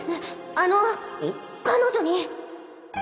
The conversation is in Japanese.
あの彼女に！